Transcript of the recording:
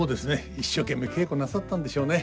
一生懸命稽古なさったんでしょうね。